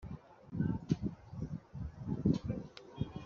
djinn ati: 'ibyo bigamije intego ki?,